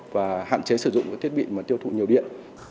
và hạn chế sử dụng các thiết bị mà tiêu thụ nhiều điện